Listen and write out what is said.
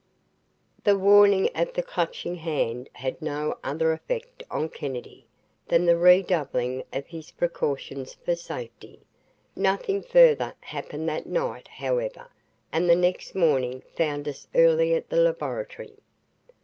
........ The warning of the Clutching Hand had no other effect on Kennedy than the redoubling of his precautions for safety. Nothing further happened that night, however, and the next morning found us early at the laboratory.